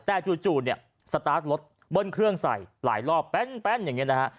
แต่จู่เนี่ยสตาร์ทรถเบิ้ลเครื่องใส่หลายรอบแป้นอย่างนี้นะฮะ